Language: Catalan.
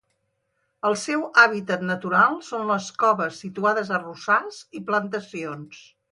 El seu hàbitat natural són les coves situades a arrossars i plantacions.